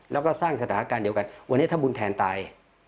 แล้วก็สร้างสถานการณ์เดียวกันวันนี้ถ้าบุญแทนตาย